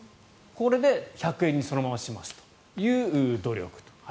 これで１００円にそのまましますという努力と。